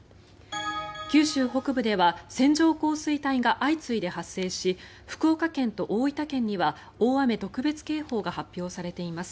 九州北部では線状降水帯が相次いで発生し福岡県と大分県には大雨特別警報が発表されています。